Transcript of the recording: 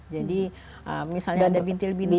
jadi misalnya ada bintil bintil